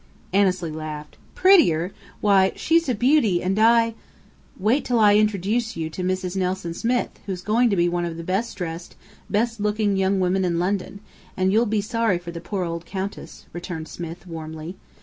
Annesley laughed. "Prettier! Why, she's a beauty, and I " "Wait till I introduce you to Mrs. Nelson Smith, who's going to be one of the best dressed, best looking young women in London, and you'll be sorry for the poor old Countess," returned Smith, warmly.